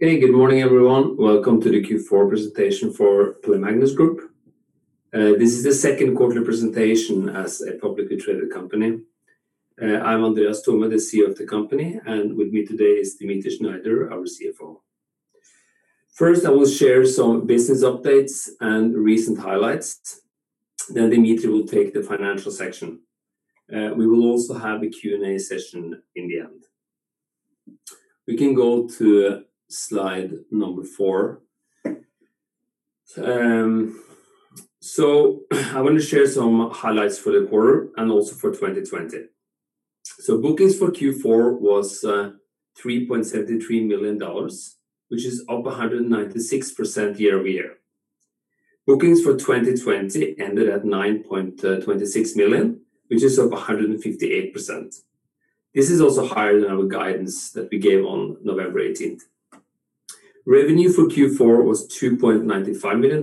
Hey, good morning, everyone. Welcome to the Q4 presentation for Play Magnus Group. This is the second quarterly presentation as a publicly traded company. I'm Andreas Thome, the CEO of the company, and with me today is Dmitri Shneider, our CFO. I will share some business updates and recent highlights. Dmitri will take the financial section. We will also have a Q&A session in the end. We can go to slide number four. I want to share some highlights for the quarter and also for 2020. Bookings for Q4 was $3.73 million, which is up 196% year-over-year. Bookings for 2020 ended at $9.26 million, which is up 158%. This is also higher than our guidance that we gave on November 18th. Revenue for Q4 was $2.95 million,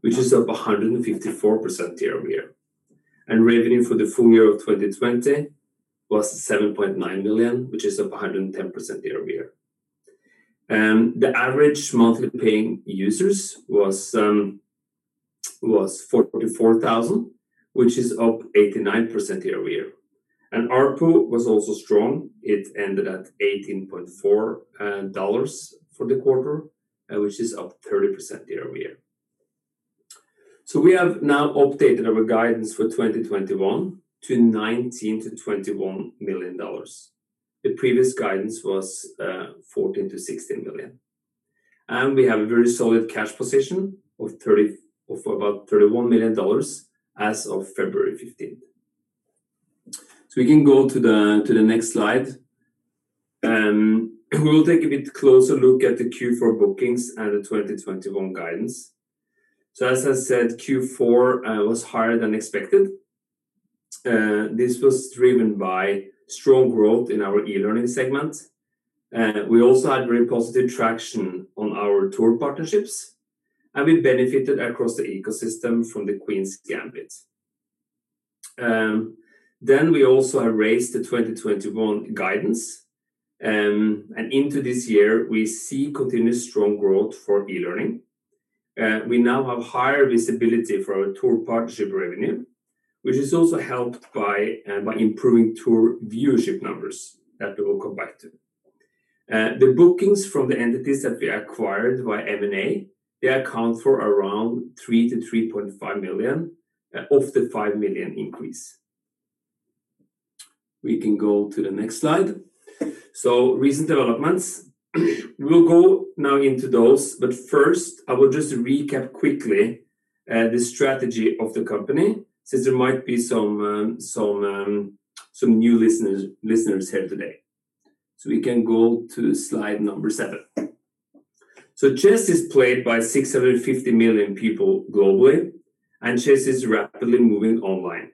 which is up 154% year-over-year. Revenue for the full year of 2020 was $7.9 million, which is up 110% year-over-year. The average monthly paying users was 44,000, which is up 89% year-over-year. ARPU was also strong. It ended at $18.4 for the quarter, which is up 30% year-over-year. We have now updated our guidance for 2021 to $19 million-$21 million. The previous guidance was $14 million-$16 million. We have a very solid cash position of about $31 million as of February 15th. We can go to the next slide. We will take a bit closer look at the Q4 bookings and the 2021 guidance. As I said, Q4 was higher than expected. This was driven by strong growth in our e-learning segment. We also had very positive traction on our tour partnerships, and we benefited across the ecosystem from the Queen's Gambit. We also raised the 2021 guidance, and into this year, we see continued strong growth for e-learning. We now have higher visibility for our tour partnership revenue, which is also helped by improving tour viewership numbers that we will come back to. The bookings from the entities that we acquired by M&A account for around $3 million-$3.5 million of the $5 million increase. We can go to the next slide. Recent developments. We'll go now into those, but first, I will just recap quickly the strategy of the company since there might be some new listeners here today. We can go to slide number seven. Chess is played by 650 million people globally, and chess is rapidly moving online.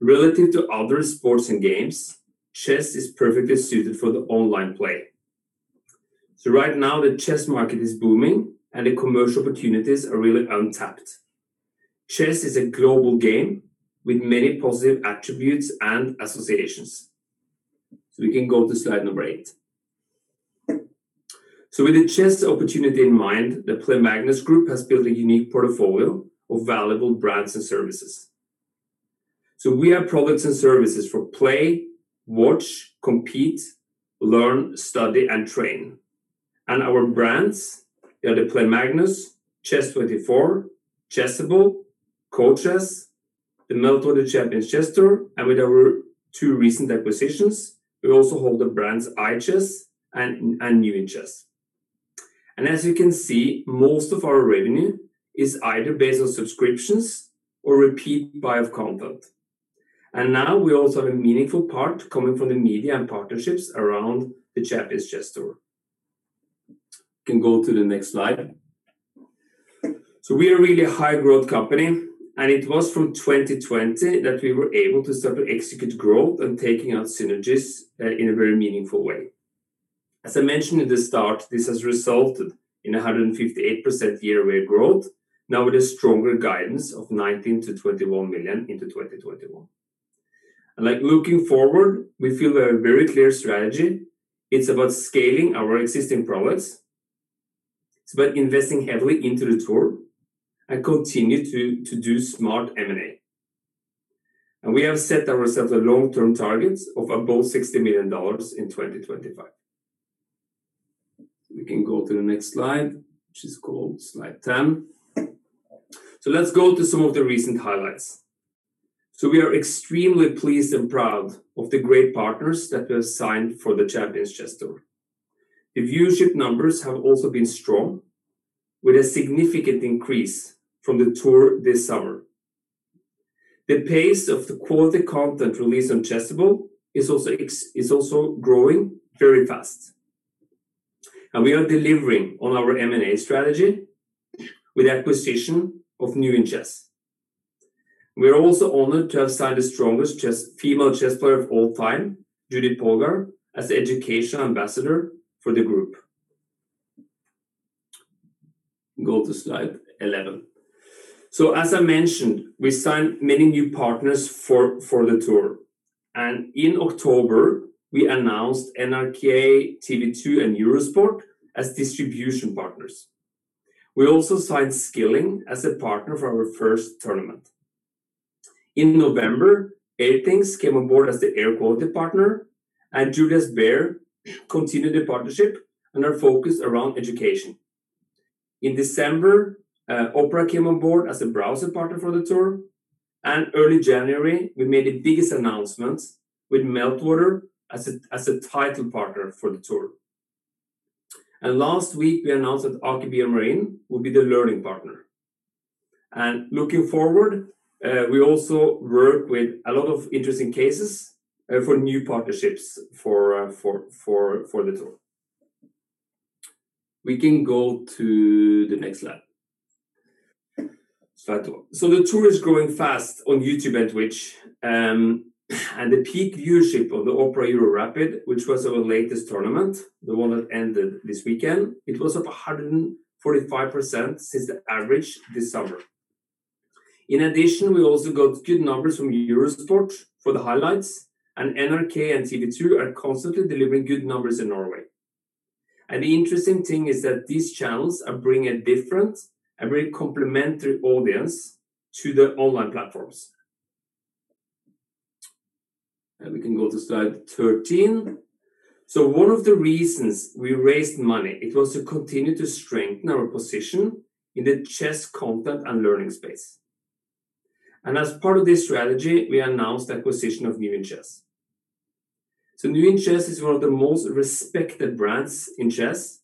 Relative to other sports and games, chess is perfectly suited for the online play. Right now the chess market is booming and the commercial opportunities are really untapped. Chess is a global game with many positive attributes and associations. We can go to slide number eight. With the chess opportunity in mind, the Play Magnus Group has built a unique portfolio of valuable brands and services. We have products and services for play, watch, compete, learn, study and train. Our brands are the Play Magnus, chess24, Chessable, CoChess, the Meltwater Champions Chess Tour, and with our two recent acquisitions, we also hold the brands iChess and New In Chess. As you can see, most of our revenue is either based on subscriptions or repeat buy of content. Now we also have a meaningful part coming from the media and partnerships around the Champions Chess Tour. Can go to the next slide. We are really a high growth company, and it was from 2020 that we were able to start to execute growth and taking out synergies in a very meaningful way. As I mentioned at the start, this has resulted in 158% year-over-year growth. Now with a stronger guidance of $ 19 million-$ 21 million into 2021. Looking forward, we feel a very clear strategy. It's about scaling our existing products. It's about investing heavily into the tour and continue to do smart M&A. We have set ourselves a long-term target of above $60 million in 2025. We can go to the next slide, which is called slide 10. Let's go to some of the recent highlights. We are extremely pleased and proud of the great partners that we have signed for the Champions Chess Tour. The viewership numbers have also been strong with a significant increase from the tour this summer. The pace of the quality content release on Chessable is also growing very fast. We are delivering on our M&A strategy with the acquisition of New In Chess. We are also honored to have signed the strongest female chess player of all time, Judit Polgár, as the educational ambassador for the group. Go to slide 11. As I mentioned, we signed many new partners for the tour, and in October, we announced NRK, TV 2, and Eurosport as distribution partners. We also signed Skilling as a partner for our first tournament. In November, Airthings came on board as the air quality partner, and Julius Baer continued the partnership and are focused around education. In December, Opera came on board as a browser partner for the tour. Early January, we made the biggest announcement with Meltwater as a title partner for the tour. Last week we announced that Aker BioMarine will be the learning partner. Looking forward, we also work with a lot of interesting cases for new partnerships for the tour. We can go to the next slide. Slide 12. The tour is growing fast on YouTube and Twitch. The peak viewership of the Opera Euro Rapid, which was our latest tournament, the one that ended this weekend, it was up 145% since the average this summer. In addition, we also got good numbers from Eurosport for the highlights, and NRK and TV 2 are constantly delivering good numbers in Norway. The interesting thing is that these channels are bringing a different and very complementary audience to the online platforms. We can go to slide 13. One of the reasons we raised money, it was to continue to strengthen our position in the chess content and learning space. As part of this strategy, we announced the acquisition of New In Chess. New In Chess is one of the most respected brands in chess.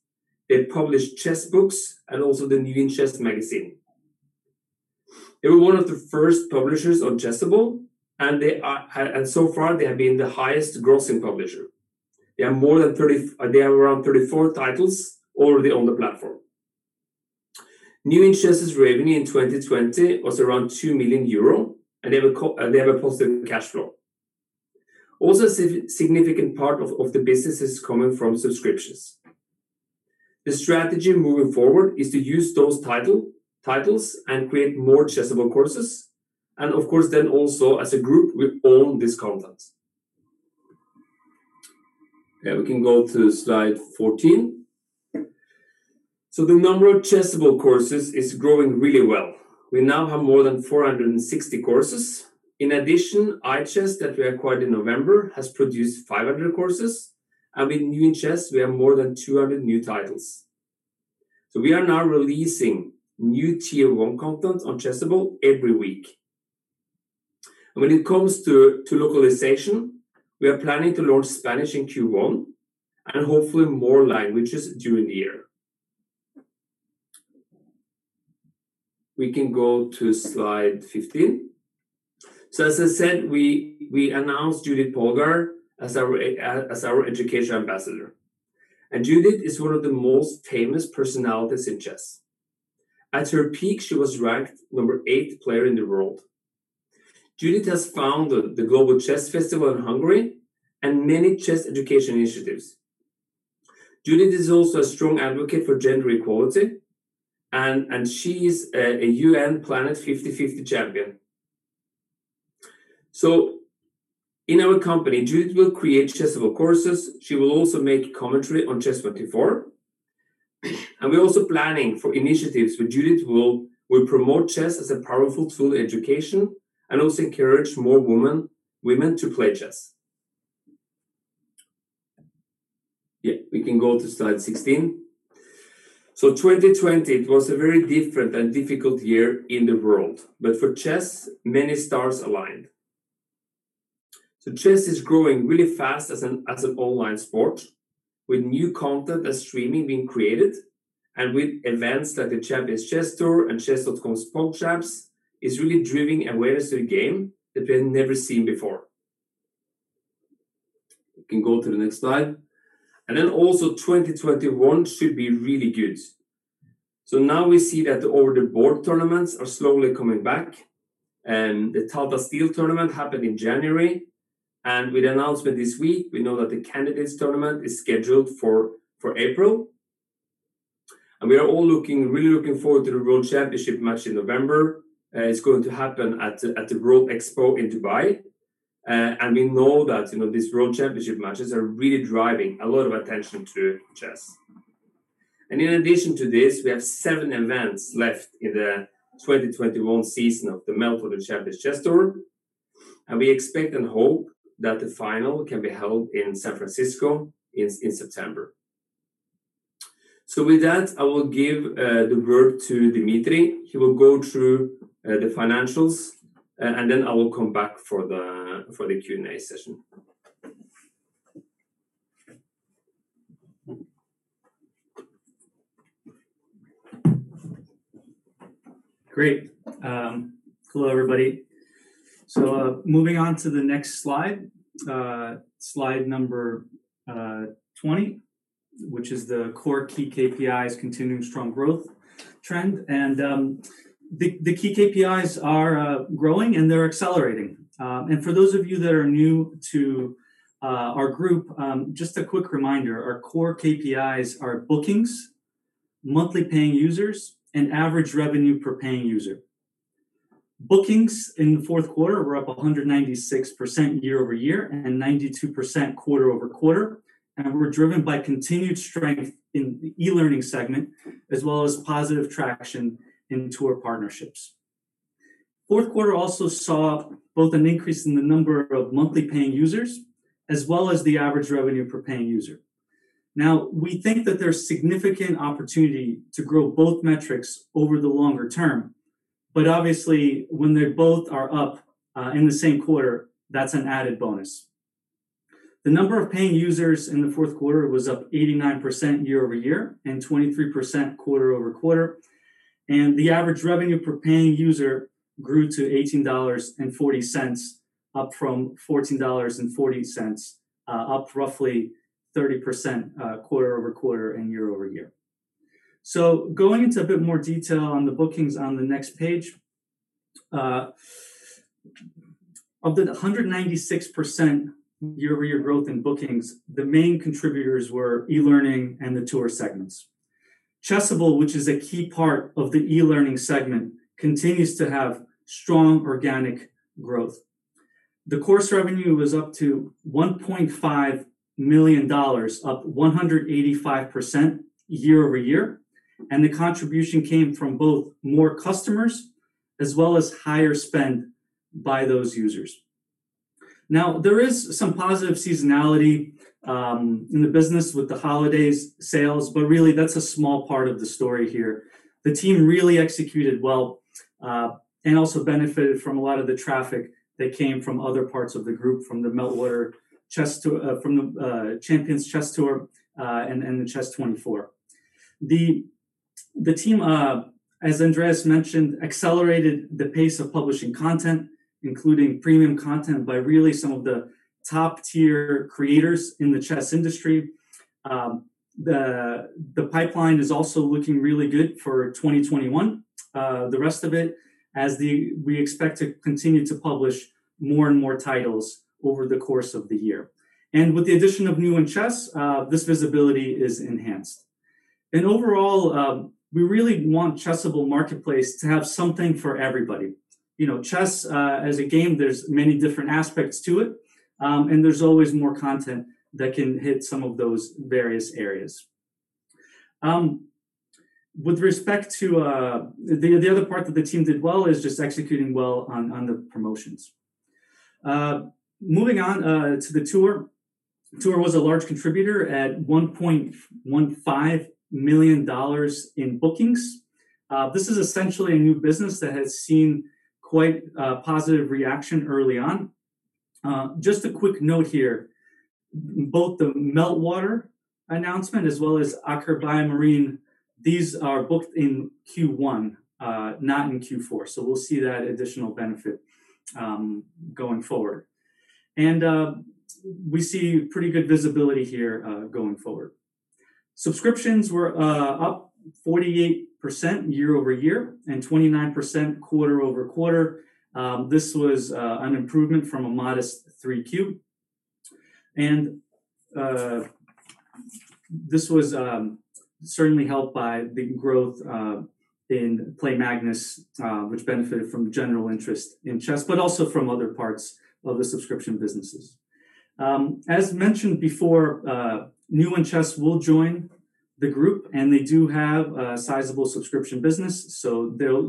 They publish chess books and also the "New In Chess" magazine. They were one of the first publishers on Chessable, and so far they have been the highest-grossing publisher. They have around 34 titles already on the platform. New In Chess' revenue in 2020 was around 2 million euro, and they have a positive cash flow. Also, a significant part of the business is coming from subscriptions. The strategy moving forward is to use those titles and create more Chessable courses. Of course, also as a group, we own this content. We can go to slide 14. The number of Chessable courses is growing really well. We now have more than 460 courses. In addition, iChess, that we acquired in November, has produced 500 courses. With New In Chess, we have more than 200 new titles. We are now releasing new Tier 1 content on Chessable every week. When it comes to localization, we are planning to launch Spanish in Q1 and hopefully more languages during the year. We can go to slide 15. As I said, we announced Judit Polgár as our education ambassador, and Judit is one of the most famous personalities in chess. At her peak, she was ranked number eight player in the world. Judit has founded the Global Chess Festival in Hungary and many chess education initiatives. Judit is also a strong advocate for gender equality, and she's a UN Planet 50-50 Champion. In our company, Judit will create Chessable courses. She will also make commentary on chess24. We're also planning for initiatives where Judit will promote chess as a powerful tool education and also encourage more women to play chess. We can go to slide 16. 2020, it was a very different and difficult year in the world, but for chess, many stars aligned. Chess is growing really fast as an online sport with new content and streaming being created and with events like the Champions Chess Tour and Chess.com's FIDE Champs is really driving awareness to the game that we've never seen before. We can go to the next slide. Then also 2021 should be really good. Now we see that over-the-board tournaments are slowly coming back, and the Tata Steel Chess Tournament happened in January. With the announcement this week, we know that the Candidates Tournament is scheduled for April. We are all really looking forward to the World Championship Match in November. It's going to happen at the World Expo in Dubai. We know that these World Championship Matches are really driving a lot of attention to chess. In addition to this, we have seven events left in the 2021 season of the Meltwater Champions Chess Tour, and we expect and hope that the final can be held in San Francisco in September. With that, I will give the verb to Dmitri. He will go through the financials, and then I will come back for the Q&A session. Moving on to the next slide number 20, which is the core key KPIs continuing strong growth trend. The key KPIs are growing and they're accelerating. For those of you that are new to our group, just a quick reminder, our core KPIs are bookings, monthly paying users, and average revenue per paying user. Bookings in the fourth quarter were up 196% year-over-year and 92% quarter-over-quarter. Were driven by continued strength in the e-learning segment, as well as positive traction in tour partnerships. Fourth quarter also saw both an increase in the number of monthly paying users, as well as the average revenue per paying user. We think that there's significant opportunity to grow both metrics over the longer term. Obviously, when they both are up in the same quarter, that's an added bonus. The number of paying users in the fourth quarter was up 89% year-over-year and 23% quarter-over-quarter. The average revenue per paying user grew to $18.40, up from $14.40, up roughly 30% quarter-over-quarter and year-over-year. Going into a bit more detail on the bookings on the next page. Of the 196% year-over-year growth in bookings, the main contributors were e-learning and the tour segments. Chessable, which is a key part of the e-learning segment, continues to have strong organic growth. The course revenue was up to $1.5 million, up 185% year-over-year, and the contribution came from both more customers as well as higher spend by those users. Now, there is some positive seasonality in the business with the holiday sales, but really, that's a small part of the story here. The team really executed well and also benefited from a lot of the traffic that came from other parts of the group, from the Meltwater Champions Chess Tour, and the chess24. The team, as Andreas mentioned, accelerated the pace of publishing content, including premium content, by really some of the top-tier creators in the chess industry. The pipeline is also looking really good for 2021, the rest of it, as we expect to continue to publish more and more titles over the course of the year. With the addition of New In Chess, this visibility is enhanced. Overall, we really want Chessable Marketplace to have something for everybody. Chess, as a game, there's many different aspects to it, and there's always more content that can hit some of those various areas. With respect to the other part that the team did well is just executing well on the promotions. Moving on to the tour. Tour was a large contributor at $1.15 million in bookings. This is essentially a new business that has seen quite a positive reaction early on. Just a quick note here. Both the Meltwater announcement as well as Aker BioMarine, these are booked in Q1, not in Q4. We'll see that additional benefit going forward. We see pretty good visibility here going forward. Subscriptions were up 48% year-over-year and 29% quarter-over-quarter. This was an improvement from a modest 3Q. This was certainly helped by the growth in Play Magnus, which benefited from general interest in chess, but also from other parts of the subscription businesses. As mentioned before, New In Chess will join the group. They do have a sizable subscription business,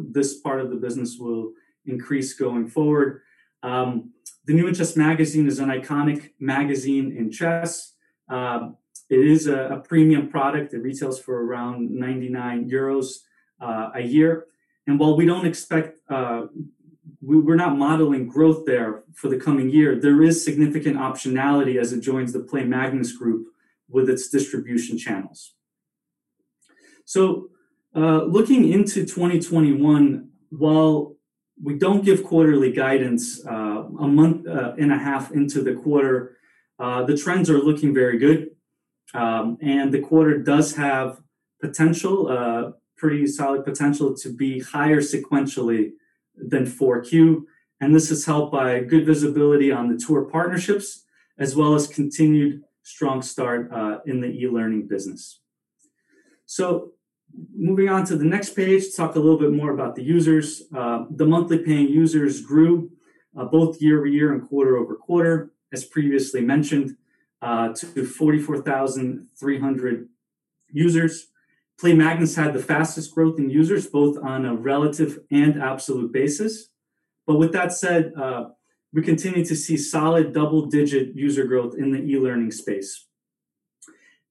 this part of the business will increase going forward. The New In Chess magazine is an iconic magazine in chess. It is a premium product that retails for around 99 euros a year. While we're not modeling growth there for the coming year, there is significant optionality as it joins the Play Magnus Group with its distribution channels. Looking into 2021, while we don't give quarterly guidance a month and a half into the quarter, the trends are looking very good. The quarter does have potential, pretty solid potential to be higher sequentially than 4Q. This is helped by good visibility on the tour partnerships, as well as continued strong start in the e-learning business. Moving on to the next page, talk a little bit more about the users. The monthly paying users grew both year-over-year and quarter-over-quarter, as previously mentioned, to 44,300 users. Play Magnus had the fastest growth in users, both on a relative and absolute basis. With that said, we continue to see solid double-digit user growth in the e-learning space.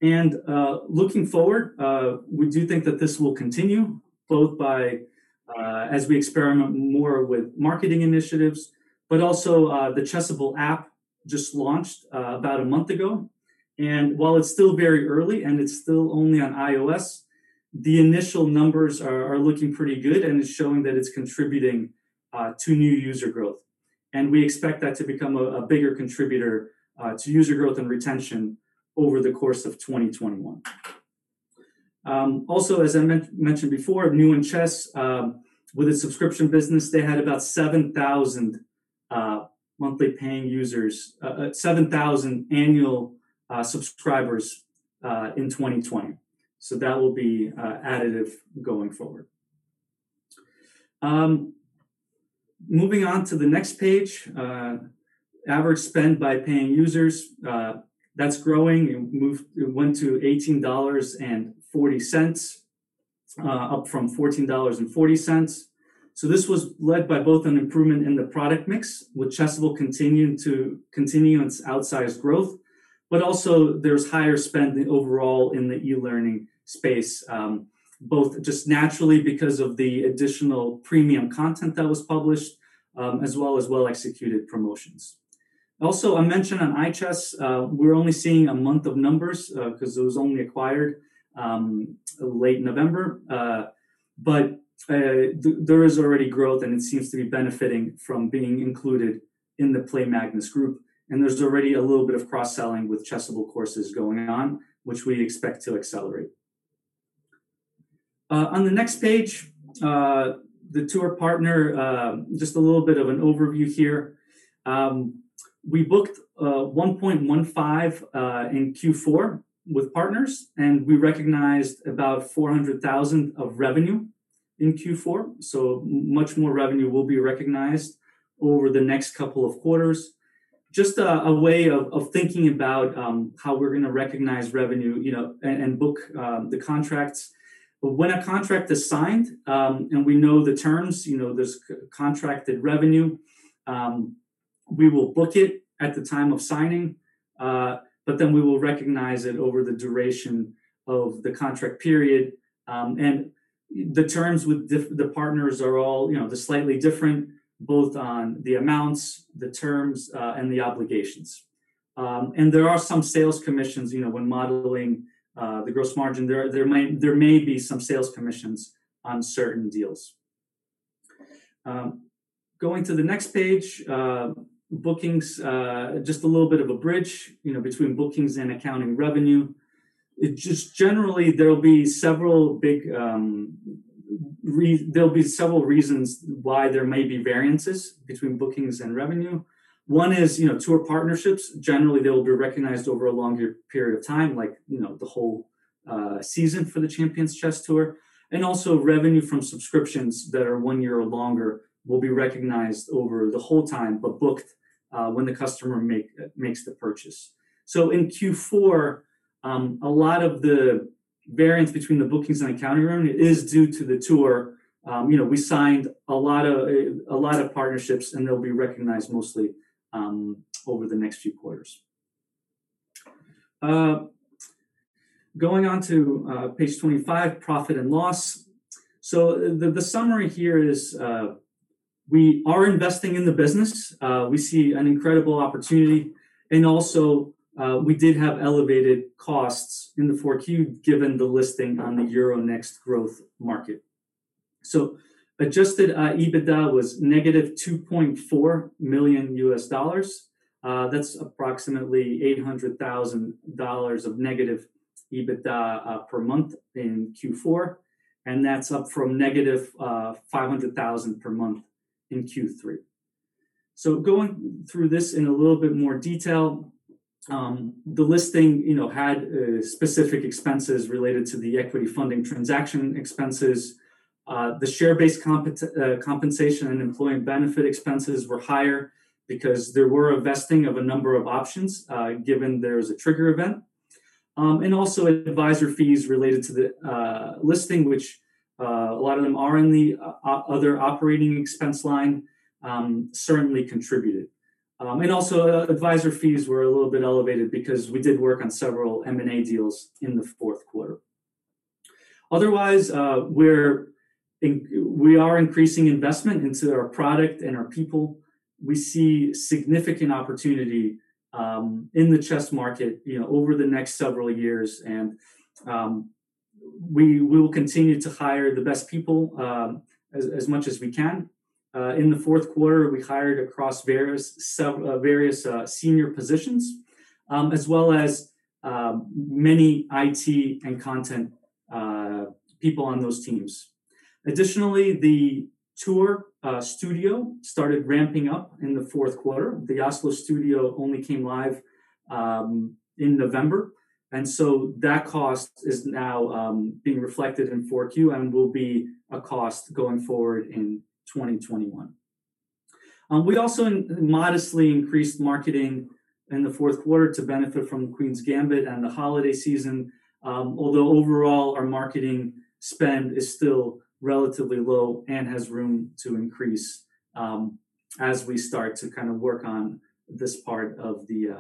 Looking forward, we do think that this will continue both as we experiment more with marketing initiatives, but also the Chessable app just launched about a month ago. While it's still very early and it's still only on iOS, the initial numbers are looking pretty good, and it's showing that it's contributing to new user growth. We expect that to become a bigger contributor to user growth and retention over the course of 2021. As I mentioned before, New In Chess, with a subscription business, they had about 7,000 monthly paying users, 7,000 annual subscribers in 2020. That will be additive going forward. Moving on to the next page. Average spend by paying users. That's growing. It went to $18.40, up from $14.40. This was led by both an improvement in the product mix, with Chessable continuing its outsized growth, but also there's higher spend overall in the e-learning space, both just naturally because of the additional premium content that was published, as well as well-executed promotions. I mentioned on iChess, we're only seeing a month of numbers, because it was only acquired late November. There is already growth, and it seems to be benefiting from being included in the Play Magnus Group. There's already a little bit of cross-selling with Chessable courses going on, which we expect to accelerate. On the next page, the tour partner, just a little bit of an overview here. We booked $1.15 in Q4 with partners, and we recognized about $400,000 of revenue in Q4. Much more revenue will be recognized over the next couple of quarters. Just a way of thinking about how we're going to recognize revenue and book the contracts. When a contract is signed, and we know the terms, there's contracted revenue. We will book it at the time of signing, but then we will recognize it over the duration of the contract period. The terms with the partners are all slightly different, both on the amounts, the terms, and the obligations. There are some sales commissions when modeling the gross margin. There may be some sales commissions on certain deals. Going to the next page. Bookings, just a little bit of a bridge between bookings and accounting revenue. Just generally, there'll be several reasons why there may be variances between bookings and revenue. One is tour partnerships. Generally, they'll be recognized over a longer period of time, like the whole season for the Champions Chess Tour, and also revenue from subscriptions that are one year or longer will be recognized over the whole time, but booked when the customer makes the purchase. In Q4, a lot of the variance between the bookings and accounting revenue is due to the tour. We signed a lot of partnerships, and they'll be recognized mostly over the next few quarters. Going on to page 25, profit and loss. The summary here is we are investing in the business. We see an incredible opportunity. We did have elevated costs in the 4Q, given the listing on the Euronext Growth market. Adjusted EBITDA was negative $2.4 million. That's approximately $800,000 of negative EBITDA per month in Q4, and that's up from negative $500,000 per month in Q3. Going through this in a little bit more detail. The listing had specific expenses related to the equity funding transaction expenses. The share-based compensation and employee benefit expenses were higher because there were a vesting of a number of options, given there was a trigger event. Advisor fees related to the listing, which a lot of them are in the other operating expense line, certainly contributed. Advisor fees were a little bit elevated because we did work on several M&A deals in the fourth quarter. Otherwise, we are increasing investment into our product and our people. We see significant opportunity in the chess market over the next several years and we will continue to hire the best people as much as we can. In the fourth quarter, we hired across various senior positions, as well as many IT and content people on those teams. Additionally, the tour studio started ramping up in the fourth quarter. The Oslo studio only came live in November, and so that cost is now being reflected in 4Q and will be a cost going forward in 2021. We also modestly increased marketing in the fourth quarter to benefit from "Queen's Gambit" and the holiday season. Although overall, our marketing spend is still relatively low and has room to increase as we start to kind of work on this part of the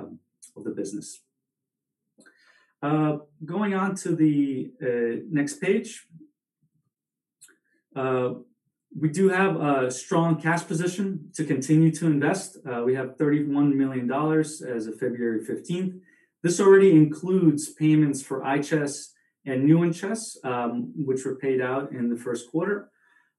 business. Going on to the next page. We do have a strong cash position to continue to invest. We have $31 million as of February 15th. This already includes payments for iChess and New In Chess, which were paid out in the first quarter.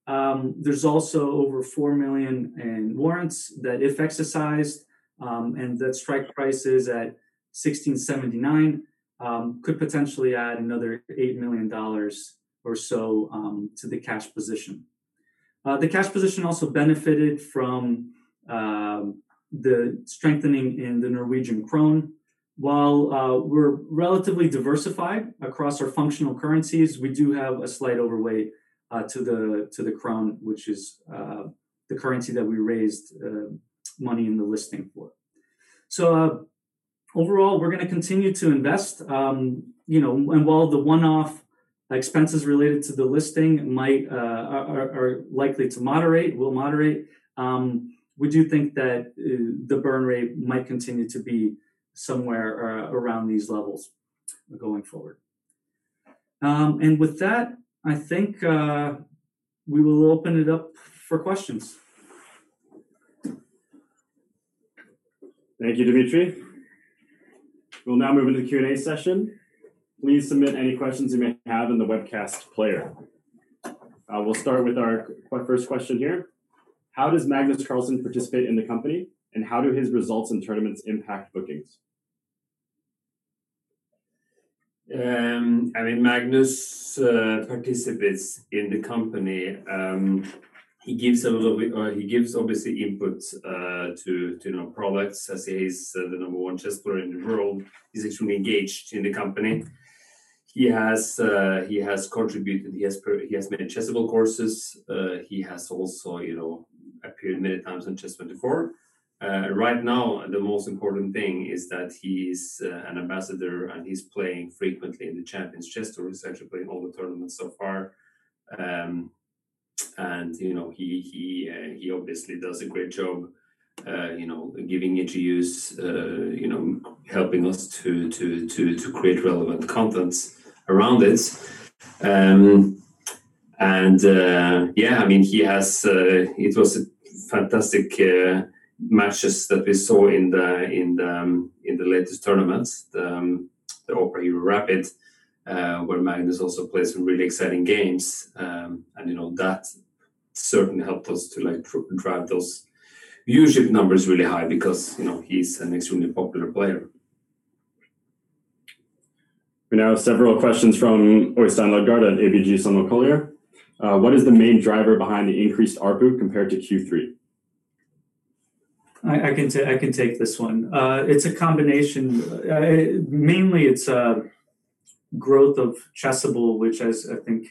There's also over 4 million in warrants that if exercised, and that strike price is at 16.79, could potentially add another $8 million or so to the cash position. The cash position also benefited from the strengthening in the Norwegian krone. While we're relatively diversified across our functional currencies, we do have a slight overweight to the krone, which is the currency that we raised money in the listing for. Overall, we're going to continue to invest. While the one-off expenses related to the listing will moderate, we do think that the burn rate might continue to be somewhere around these levels going forward. With that, I think we will open it up for questions. Thank you, Dmitri. We'll now move into the Q&A session. Please submit any questions you may have in the webcast player. We'll start with our first question here. How does Magnus Carlsen participate in the company, and how do his results in tournaments impact bookings? Magnus participates in the company. He gives obviously input to new products, as he's the number one chess player in the world. He's extremely engaged in the company. He has contributed. He has made Chessable courses. He has also appeared many times on chess24. Right now, the most important thing is that he's an ambassador, and he's playing frequently in the Champions Chess Tour. He's actually playing all the tournaments so far. He obviously does a great job giving interviews, helping us to create relevant content around it. Yeah, it was fantastic matches that we saw in the latest tournaments, the Opera Euro Rapid, where Magnus also played some really exciting games. That certainly helped us to drive those viewership numbers really high because he's an extremely popular player. We now have several questions from Øystein Lodgaard at ABG Sundal Collier. What is the main driver behind the increased ARPU compared to Q3? I can take this one. It's a combination. Mainly it's growth of Chessable, which as I think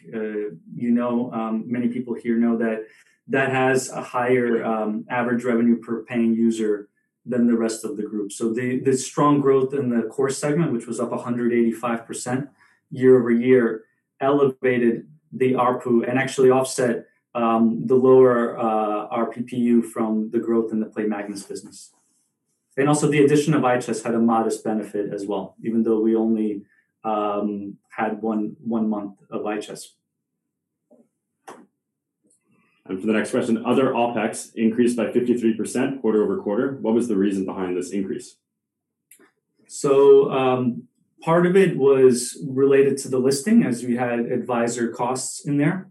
many people here know that has a higher average revenue per paying user than the rest of the group. The strong growth in the core segment, which was up 185% year-over-year, elevated the ARPU and actually offset the lower ARPPU from the growth in the Play Magnus business. Also the addition of Chess had a modest benefit as well, even though we only had one month of Chess. For the next question, other OpEx increased by 53% quarter-over-quarter. What was the reason behind this increase? Part of it was related to the listing as we had advisor costs in there.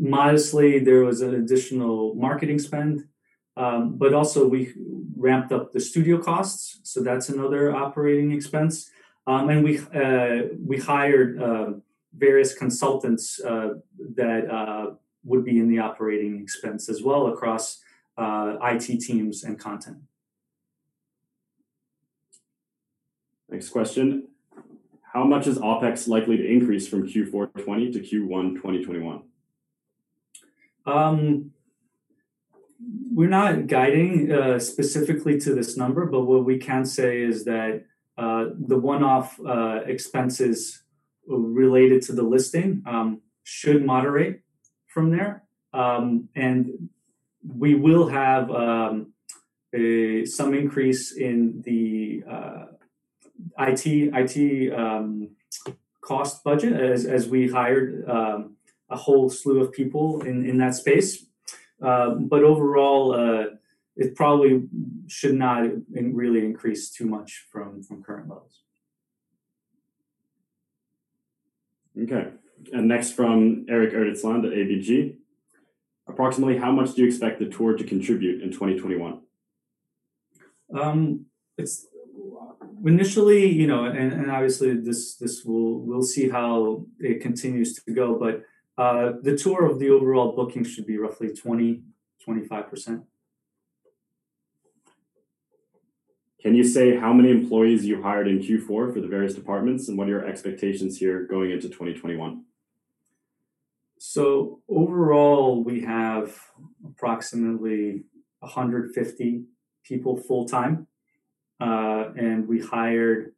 Modestly, there was an additional marketing spend, but also we ramped up the studio costs, so that's another OpEx. We hired various consultants that would be in the OpEx as well across IT teams and content. Next question. How much is OpEx likely to increase from Q4 2020 to Q1 2021? We're not guiding specifically to this number. What we can say is that the one-off expenses related to the listing should moderate from there. We will have some increase in the IT cost budget as we hired a whole slew of people in that space. Overall, it probably should not really increase too much from current levels. Okay. Next from Erik Eritsland at ABG. Approximately how much do you expect the tour to contribute in 2021? Initially, and obviously we'll see how it continues to go, but the tour of the overall booking should be roughly 20%, 25%. Can you say how many employees you hired in Q4 for the various departments, and what are your expectations here going into 2021? Overall, we have approximately 150 people full-time. We hired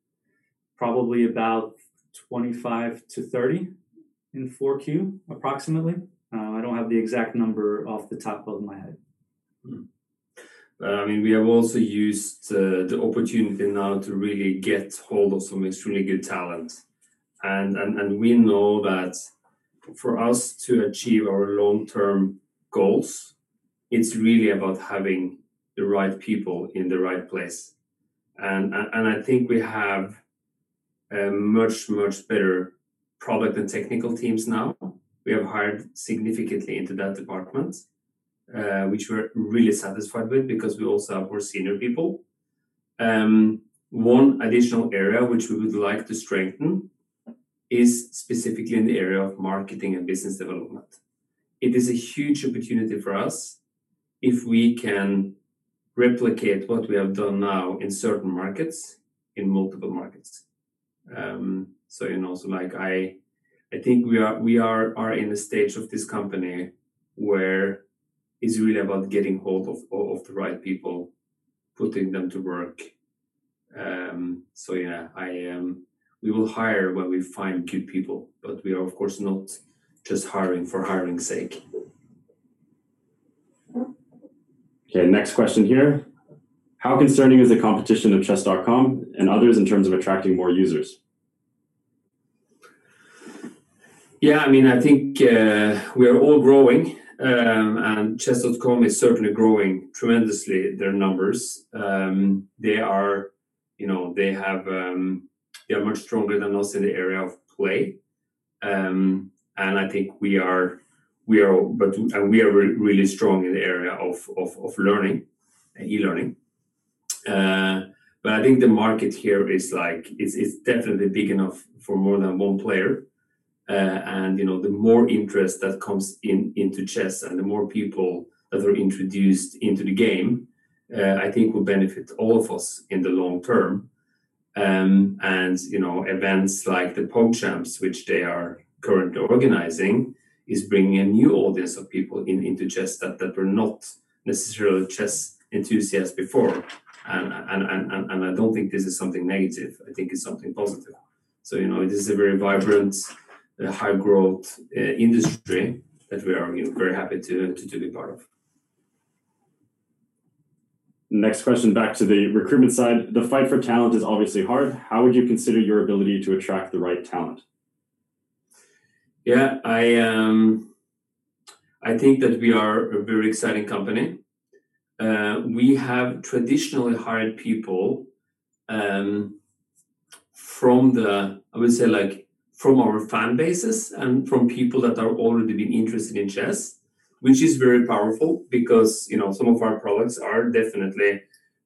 probably about 25-30 in 4Q, approximately. I don't have the exact number off the top of my head. We have also used the opportunity now to really get hold of some extremely good talent. We know that for us to achieve our long-term goals, it's really about having the right people in the right place. I think we have much better product and technical teams now. We have hired significantly into that department, which we're really satisfied with because we also have more senior people. One additional area which we would like to strengthen is specifically in the area of marketing and business development. It is a huge opportunity for us if we can replicate what we have done now in certain markets, in multiple markets. I think we are in a stage of this company where it's really about getting hold of the right people, putting them to work. Yeah, we will hire when we find good people, but we are, of course, not just hiring for hiring's sake. Okay, next question here. How concerning is the competition of Chess.com and others in terms of attracting more users? Yeah, I think we are all growing. Chess.com is certainly growing tremendously their numbers. They are much stronger than us in the area of Play. I think we are really strong in the area of learning and e-learning. I think the market here is definitely big enough for more than one player. The more interest that comes into chess and the more people that are introduced into the game, I think will benefit all of us in the long term. Events like the PogChamps, which they are currently organizing, is bringing a new audience of people into chess that were not necessarily chess enthusiasts before. I don't think this is something negative. I think it's something positive. It is a very vibrant, high-growth industry that we are very happy to be part of. Next question, back to the recruitment side. The fight for talent is obviously hard. How would you consider your ability to attract the right talent? Yeah, I think that we are a very exciting company. We have traditionally hired people from our fan bases and from people that are already been interested in chess, which is very powerful because some of our products are definitely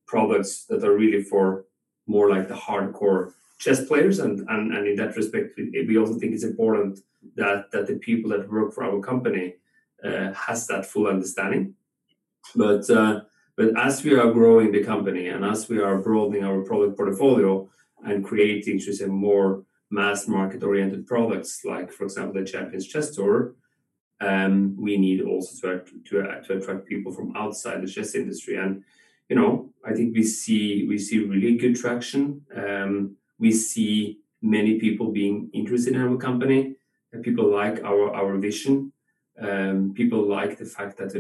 products that are really for more the hardcore chess players. In that respect, we also think it's important that the people that work for our company has that full understanding. As we are growing the company and as we are broadening our product portfolio and creating interesting, more mass market-oriented products like, for example, the Champions Chess Tour, we need also to attract people from outside the chess industry. I think we see really good traction. We see many people being interested in our company, people like our vision. People like the fact that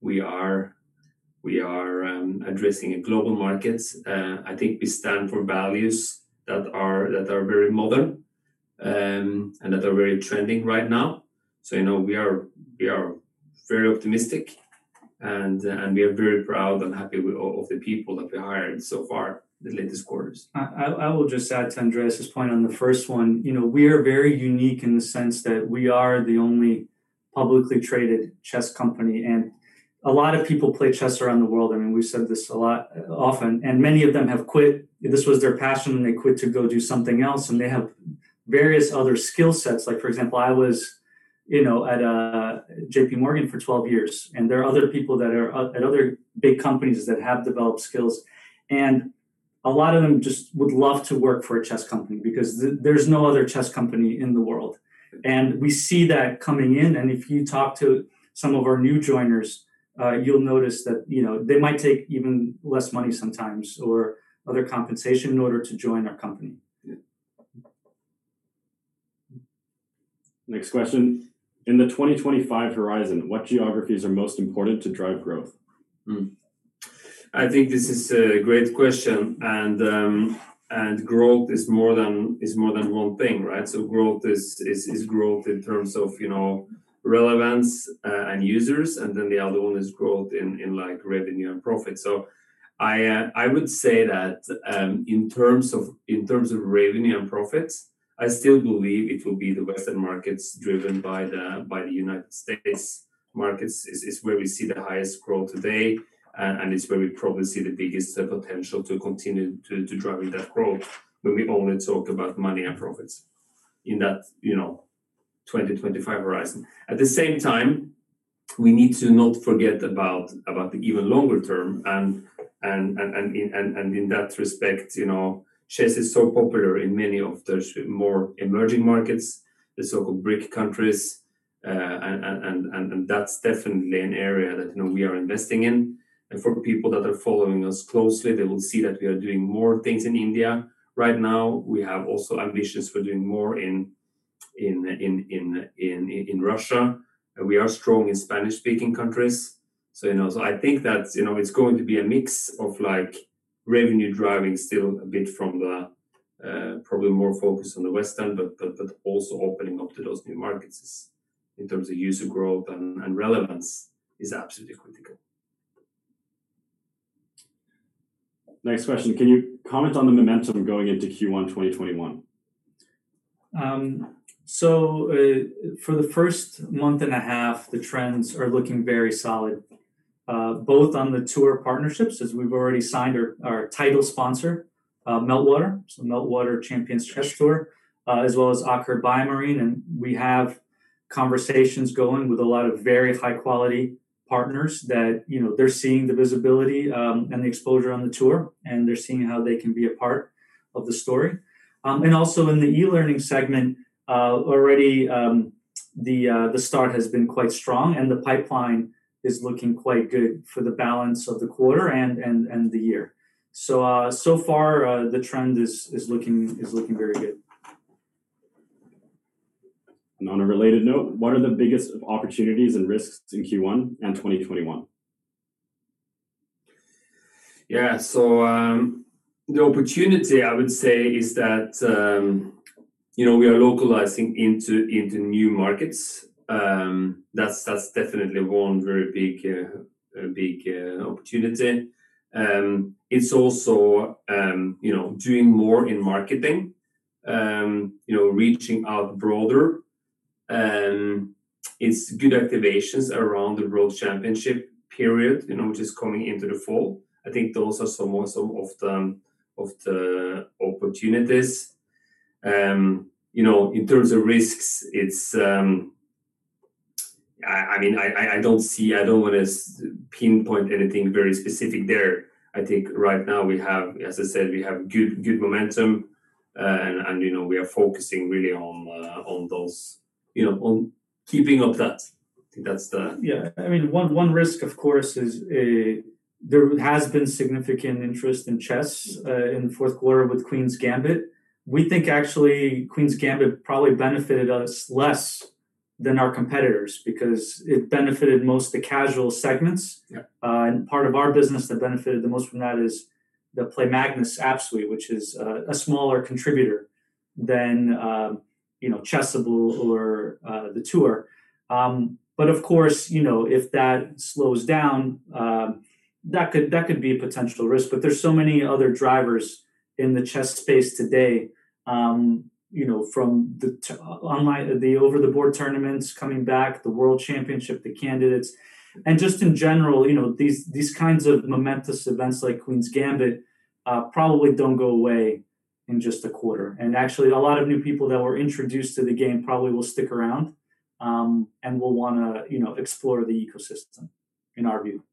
we are addressing global markets. I think we stand for values that are very modern and that are very trending right now. We are very optimistic, and we are very proud and happy with all of the people that we hired so far the latest quarters. I will just add to Andreas' point on the first one. We are very unique in the sense that we are the only publicly traded chess company, and a lot of people play chess around the world. We've said this a lot, often, and many of them have quit. This was their passion, and they quit to go do something else, and they have various other skill sets. Like for example, I was at JPMorgan for 12 years, and there are other people that are at other big companies that have developed skills. A lot of them just would love to work for a chess company because there's no other chess company in the world. We see that coming in, and if you talk to some of our new joiners, you will notice that they might take even less money sometimes or other compensation in order to join our company. Yeah. Next question. In the 2025 horizon, what geographies are most important to drive growth? I think this is a great question. Growth is more than one thing, right? Growth is growth in terms of relevance and users, and then the other one is growth in revenue and profit. I would say that, in terms of revenue and profits, I still believe it will be the Western markets driven by the United States markets. It's where we see the highest growth today, and it's where we probably see the biggest potential to continue to driving that growth when we only talk about money and profits in that 2025 horizon. At the same time, we need to not forget about the even longer term. In that respect, chess is so popular in many of those more emerging markets, the so-called BRIC countries, and that's definitely an area that we are investing in. For people that are following us closely, they will see that we are doing more things in India right now. We have also ambitions for doing more in Russia. We are strong in Spanish-speaking countries. I think that it's going to be a mix of revenue-driving still a bit from the probably more focused on the Western, but also opening up to those new markets in terms of user growth and relevance is absolutely critical. Next question: can you comment on the momentum going into Q1 2021? For the first month and a half, the trends are looking very solid. Both on the tour partnerships, as we've already signed our title sponsor, Meltwater Champions Chess Tour, as well as Aker BioMarine, we have conversations going with a lot of very high-quality partners that they're seeing the visibility and the exposure on the tour, and they're seeing how they can be a part of the story. Also in the e-learning segment, already the start has been quite strong, the pipeline is looking quite good for the balance of the quarter and the year. Far the trend is looking very good. On a related note, what are the biggest opportunities and risks in Q1 and 2021? Yeah. The opportunity I would say is that we are localizing into new markets. That's definitely one very big opportunity. It's also doing more in marketing, reaching out broader, and it's good activations around the World Championship period which is coming into the fall. I think those are some of the opportunities. In terms of risks, I don't want to pinpoint anything very specific there. I think right now, as I said, we have good momentum, and we are focusing really on keeping up that. Yeah. One risk, of course, is there has been significant interest in chess in the fourth quarter with Queen's Gambit. We think actually Queen's Gambit probably benefited us less than our competitors because it benefited most the casual segments. Yeah. Part of our business that benefited the most from that is the Play Magnus app suite, which is a smaller contributor than Chessable or the tour. Of course, if that slows down, that could be a potential risk. There's so many other drivers in the chess space today, from the over-the-board tournaments coming back, the World Championship, the Candidates. Just in general, these kinds of momentous events like Queen's Gambit probably don't go away in just a quarter. Actually, a lot of new people that were introduced to the game probably will stick around and will want to explore the ecosystem, in our view.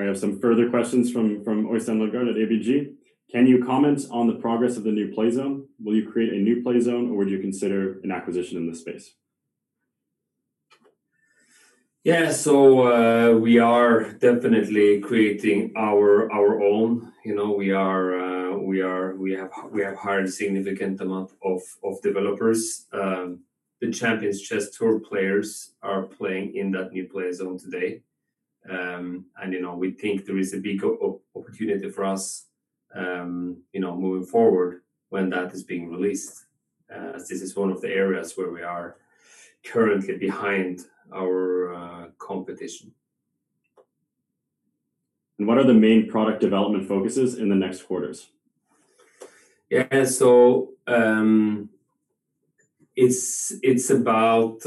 We have some further questions from Øystein Lodgaard at ABG. Can you comment on the progress of the new play zone? Will you create a new play zone or would you consider an acquisition in this space? Yeah. We are definitely creating our own. We have hired a significant amount of developers. The Champions Chess Tour players are playing in that new play zone today. We think there is a big opportunity for us moving forward when that is being released, as this is one of the areas where we are currently behind our competition. What are the main product development focuses in the next quarters? It's about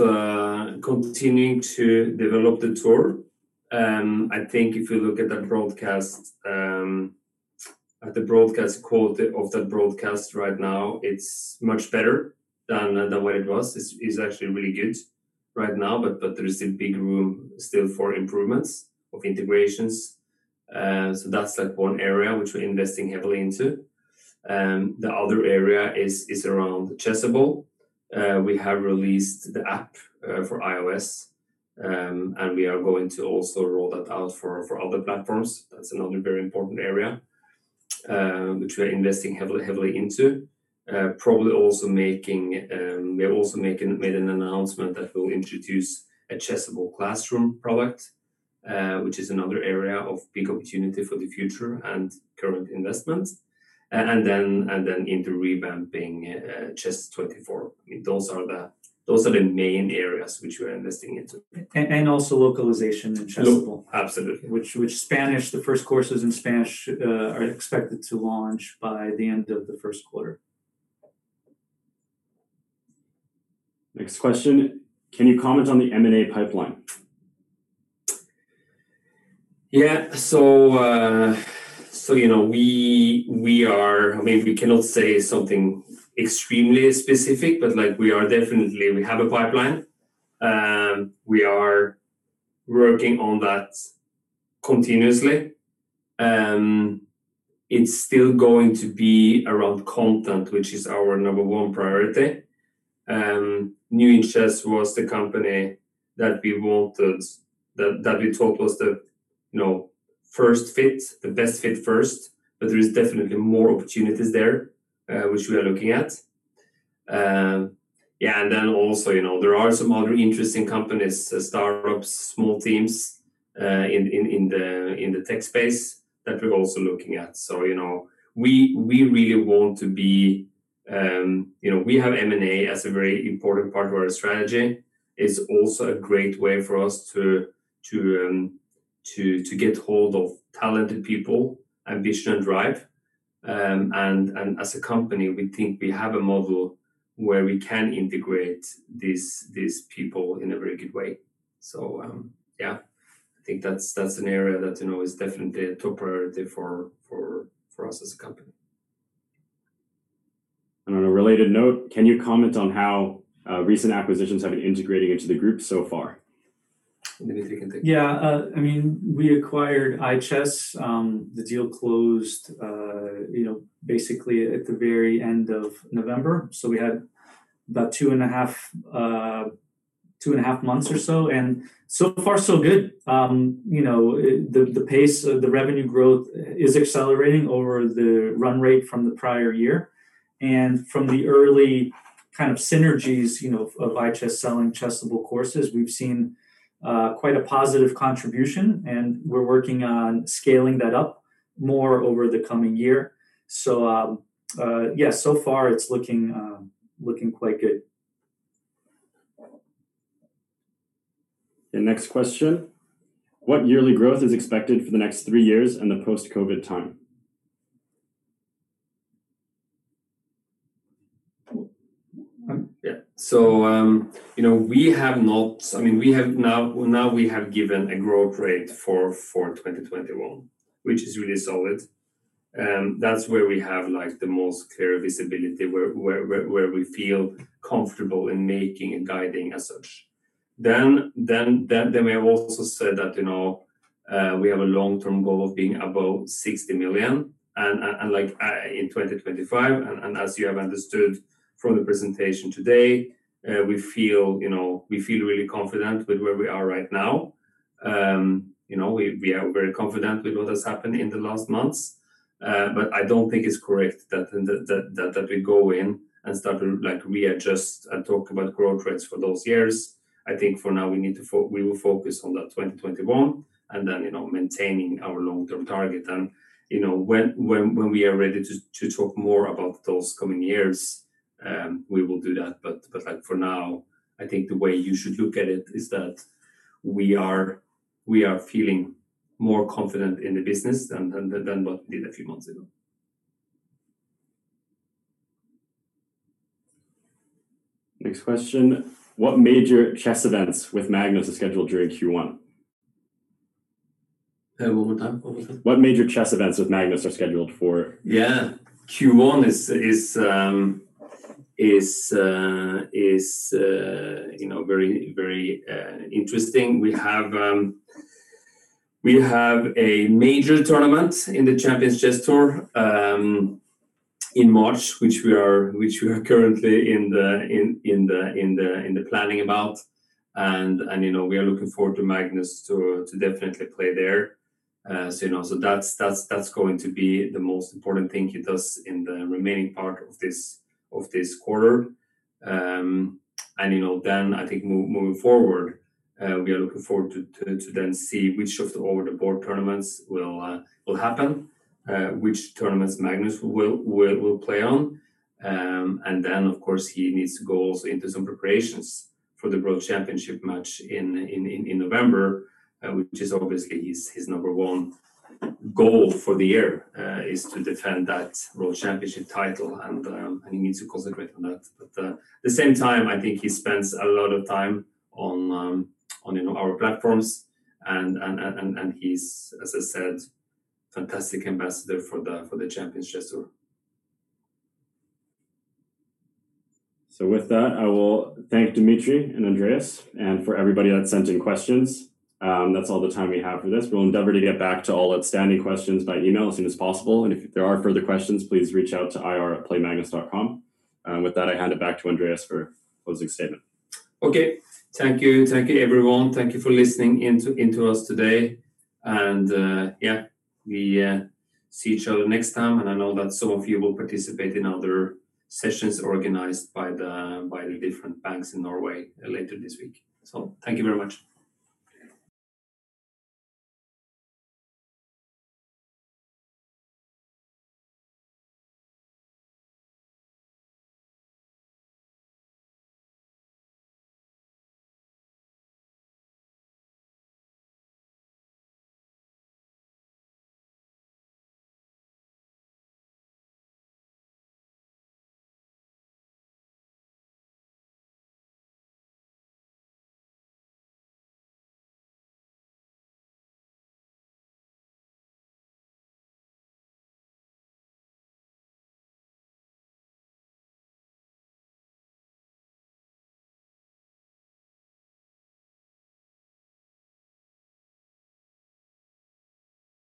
continuing to develop the tour. I think if you look at the broadcast quality of that broadcast right now, it's much better than what it was. It's actually really good right now, there is still big room still for improvements of integrations. That's one area which we're investing heavily into. The other area is around Chessable. We have released the app for iOS, and we are going to also roll that out for other platforms. That's another very important area which we're investing heavily into. We have also made an announcement that we'll introduce a Chessable Classroom product, which is another area of big opportunity for the future and current investment. Into revamping chess24. Those are the main areas which we're investing into. Also localization in Chessable. Absolutely. The first courses in Spanish are expected to launch by the end of the first quarter. Next question: can you comment on the M&A pipeline? Yeah. We cannot say something extremely specific, but we definitely have a pipeline. We are working on that continuously. It's still going to be around content, which is our number one priority. New In Chess was the company that we thought was the best fit first. There is definitely more opportunities there which we are looking at. Yeah. There are some other interesting companies, startups, small teams in the tech space that we're also looking at. We have M&A as a very important part of our strategy. It's also a great way for us to get hold of talented people, ambition, and drive. As a company, we think we have a model where we can integrate these people in a very good way. Yeah, I think that's an area that is definitely a top priority for us as a company. On a related note, can you comment on how recent acquisitions have been integrating into the group so far? Dmitri, you can take it. Yeah. We acquired iChess. The deal closed basically at the very end of November, so we had about two and a half months or so, and so far so good. The pace, the revenue growth is accelerating over the run rate from the prior year. From the early kind of synergies of iChess selling Chessable courses, we've seen quite a positive contribution, and we're working on scaling that up more over the coming year. Yeah, so far it's looking quite good. The next question: what yearly growth is expected for the next three years in the post-COVID time? Yeah. Now we have given a growth rate for 2021, which is really solid. That's where we have the most clear visibility, where we feel comfortable in making and guiding as such. We have also said that we have a long-term goal of being above $60 million in 2025, and as you have understood from the presentation today, we feel really confident with where we are right now. We are very confident with what has happened in the last months. I don't think it's correct that we go in and start to readjust and talk about growth rates for those years. I think for now we will focus on that 2021, and then maintaining our long-term target. When we are ready to talk more about those coming years, we will do that. For now, I think the way you should look at it is that we are feeling more confident in the business than what we did a few months ago. Next question: what major chess events with Magnus are scheduled during Q1? One more time. What major chess events with Magnus are scheduled for? Q1 is very interesting. We have a major tournament in the Champions Chess Tour in March, which we are currently in the planning about. We are looking forward to Magnus to definitely play there. That's going to be the most important thing he does in the remaining part of this quarter. I think moving forward, we are looking forward to then see which of the over-the-board tournaments will happen, which tournaments Magnus will play on. Of course, he needs to go into some preparations for the World Championship Match in November, which is obviously his number one goal for the year, is to defend that World Championship title, and he needs to concentrate on that. At the same time, I think he spends a lot of time on our platforms. He's, as I said, a fantastic ambassador for the Champions Chess Tour. With that, I will thank Dmitri and Andreas, and for everybody that sent in questions. That's all the time we have for this. We'll endeavor to get back to all outstanding questions by email as soon as possible. If there are further questions, please reach out to ir@playmagnus.com. With that, I hand it back to Andreas for a closing statement. Okay. Thank you. Thank you, everyone. Thank you for listening in to us today. Yeah, we see each other next time, and I know that some of you will participate in other sessions organized by the different banks in Norway later this week. Thank you very much. Yeah.